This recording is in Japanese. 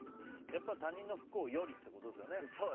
やっぱり他人の不幸よりってことですよね。